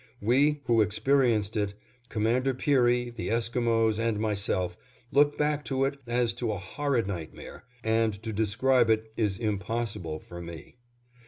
We who experienced it, Commander Peary, the Esquimos, and myself, look back to it as to a horrid nightmare, and to describe it is impossible for me.